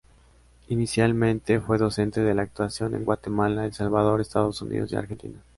Inicialmente fue docente de actuación en Guatemala, El Salvador, Estados Unidos y Argentina.